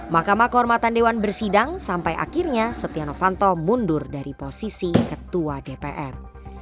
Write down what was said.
mahkamah kehormatan dewan bersidang sampai akhirnya setia novanto mundur dari posisi ketua dpr